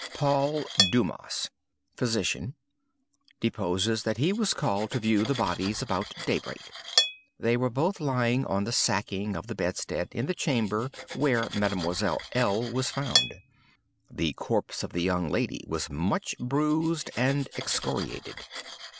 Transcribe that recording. "Paul Dumas, physician, deposes that he was called to view the bodies about day break. They were both then lying on the sacking of the bedstead in the chamber where Mademoiselle L. was found. The corpse of the young lady was much bruised and excoriated.